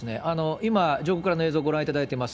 今、上空からの映像をご覧いただいています。